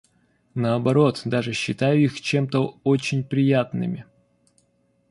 Наоборот, даже считаю их чем-то очень приятными.